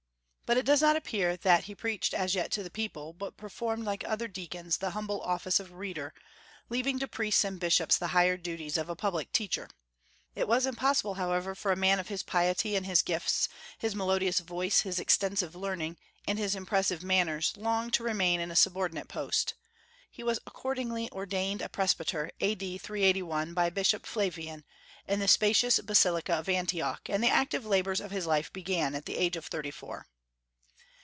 But it does not appear that he preached as yet to the people, but performed like other deacons the humble office of reader, leaving to priests and bishops the higher duties of a public teacher. It was impossible, however, for a man of his piety and his gifts, his melodious voice, his extensive learning, and his impressive manners long to remain in a subordinate post. He was accordingly ordained a presbyter, A.D. 381, by Bishop Flavian, in the spacious basilica of Antioch, and the active labors of his life began at the age of thirty four.